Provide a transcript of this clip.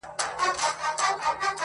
یو جوړ تصویر دی